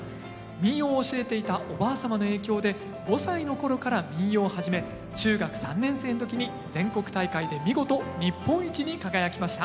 民謡を教えていたおばあ様の影響で５歳のころから民謡を始め中学３年生の時に全国大会で見事日本一に輝きました。